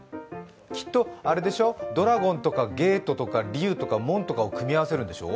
きっとあれでしょ、ドラゴンとか龍とか門とかを組み合わせるんでしょ？